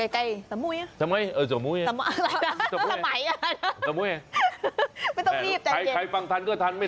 เกาะตาวอยู่ทางซ้ายอยู่ใกล้สมุย